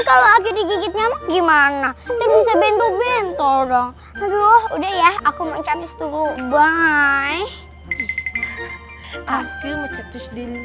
kalau di gigit nyamuk gimana bisa bentuk bentar udah ya aku mau catat dulu bye aku